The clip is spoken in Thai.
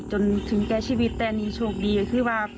จนถึงแก่ชีวิตแต่นี่โชคดีก็คือว่า